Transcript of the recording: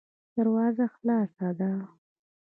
دروازه خلاصه ده.